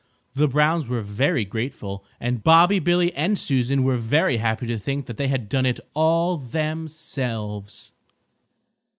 The Browns were very grateful and Bobby, Billy and Susan were very happy to think that they had done it all themselves.